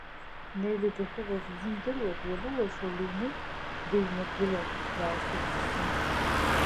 Нелли дахьыҟаз лзымдыруа дуалыуашо лыҩны дыҩнагылан, даасырҵысын.